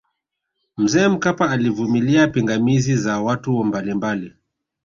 mzee mkapa alivumilia pingamizi za watu mbalimbali